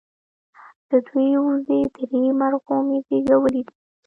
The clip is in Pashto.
د دوي وزې درې مرغومي زيږولي دي